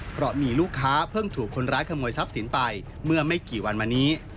เพราะมีลูกค้าเพิ่งถูกคนร้ายขโมยทรัพย์สินไปเมื่อไม่กี่วันมานี้